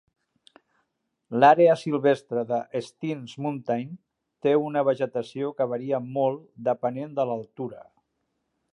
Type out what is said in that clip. L'àrea silvestre de Steens Mountain té una vegetació que varia molt depenent de l'altura.